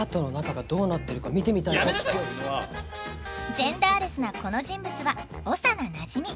ジェンダーレスなこの人物は長名なじみ。